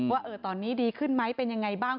ว่าตอนนี้ดีขึ้นไหมเป็นยังไงบ้าง